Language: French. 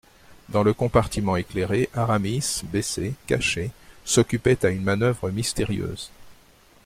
Dans le compartiment éclairé, Aramis, baissé, caché, s'occupait à une manoeuvre mystérieuse.